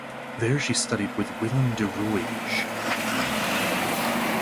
There she studied with Willem de Rooij.